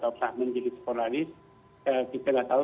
apakah menjadi sporalis kita tidak tahu